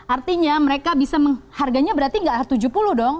artinya mereka bisa mengharganya berarti nggak tujuh puluh dong